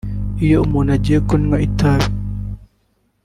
Iyo umuntu agiye kunywa itabi